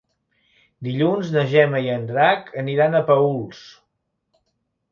Dilluns na Gemma i en Drac aniran a Paüls.